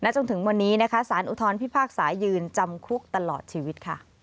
จนถึงวันนี้สารอุทธรณ์พิพากษายืนจำคลุกตลอดชีวิต